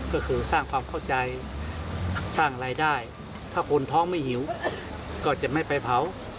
ก็คือสร้างความเข้าใจสร้างรายได้ถ้าคนท้องไม่หิวก็จะไม่ไปเผา